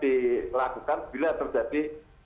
dilakukan bila terjadi